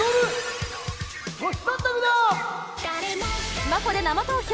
スマホで生投票！